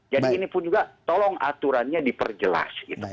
jadi ini pun juga tolong aturannya diperjelas